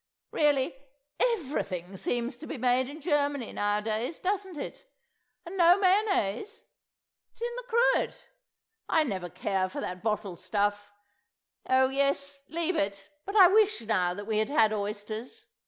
Really, everything seems to be made in Germany nowadays, doesn't it? And no mayonnaise. ..? It's in the cruet? I never care for that bottled stuff. ... Oh, yes, leave it; but I wish now that we had had oysters.